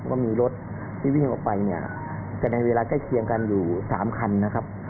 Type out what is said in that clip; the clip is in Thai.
ว่ามีรถที่วิ่งออกไปเนี่ยแต่ในเวลาใกล้เคียงกันอยู่๓คันนะครับ